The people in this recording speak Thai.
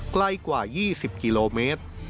ใกล้กว่า๒๐กิโลเมตร